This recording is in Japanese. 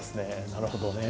なるほどね。